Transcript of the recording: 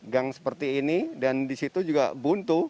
gang seperti ini dan di situ juga buntu